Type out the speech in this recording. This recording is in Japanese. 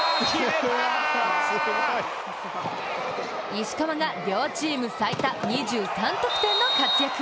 石川が両チーム最多２３得点の活躍。